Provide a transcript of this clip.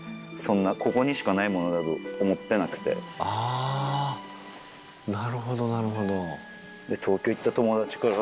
あなるほどなるほど。